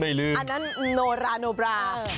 อันนั้นโนราโนบรา